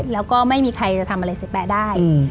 แล้วก็ไม่มีใครจะทำอะไรเสียแป๊ะได้